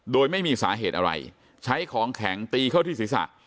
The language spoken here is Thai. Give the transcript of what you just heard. โดยไม่มีสาเหตุอะไรใช้ของแข็งตีเข้าที่ศีรษะ